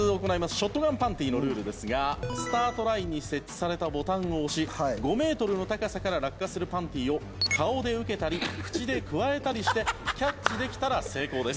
ショットガンパンティのルールですがスタートラインに設置されたボタンを押し５メートルの高さから落下するパンティを顔で受けたり口でくわえたりしてキャッチできたら成功です。